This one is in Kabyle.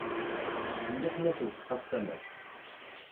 Ttkelliḥen-asen s “qassaman”.